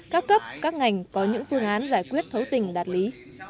các cấp các ngành có những phương án giải quyết thấu tình đạt lý